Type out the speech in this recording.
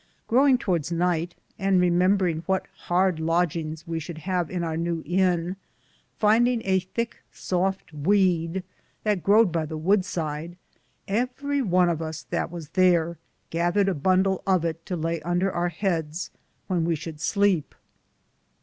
Growingc towardes nyghte, and rememberinge whate hard lodginge we should have in our new In, findinge a thicke softe weed, that growed by the wood sid, everrie one of us that was thare gathered a bundle of it to laye under our heades, when we should sleepe.